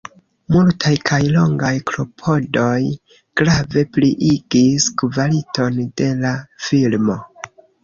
Multaj kaj longaj klopodoj grave pliigis kvaliton de la filmo.